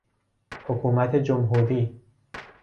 حکومت جمهوری